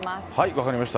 分かりました。